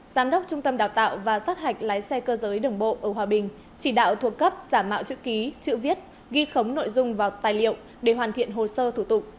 giám đốc trung tâm đào tạo và sát hạch lái xe cơ giới đường bộ ở hòa bình chỉ đạo thuộc cấp giả mạo chữ ký chữ viết ghi khống nội dung vào tài liệu để hoàn thiện hồ sơ thủ tục